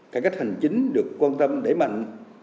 cảnh cách hành chính được quan tâm đẩy mạnh